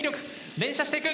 連射していく。